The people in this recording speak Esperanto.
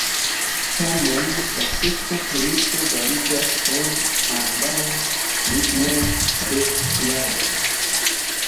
Tamen, la sekva premiso validas por ambaŭ libroj de Clarke.